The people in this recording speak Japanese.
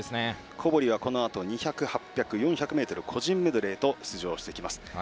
小堀は２００、８００ｍ４００ｍ個人メドレーと出場していきます。